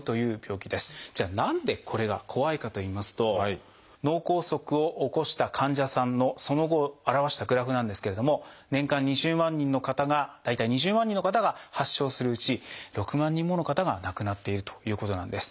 じゃあ何でこれが怖いかといいますと脳梗塞を起こした患者さんのその後を表したグラフなんですけれども年間２０万人の方が大体２０万人の方が発症するうち６万人もの方が亡くなっているということなんです。